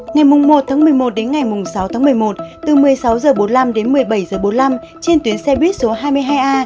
ngày một một mươi một đến ngày sáu tháng một mươi một từ một mươi sáu h bốn mươi năm đến một mươi bảy h bốn mươi năm trên tuyến xe buýt số hai mươi hai a